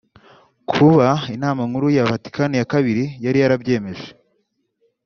kuko inama nkuru ya Vatikani ya kabiri yari yarabyemeje